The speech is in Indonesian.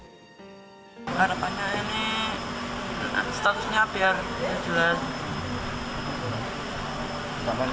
harapannya ini statusnya api harapannya jelas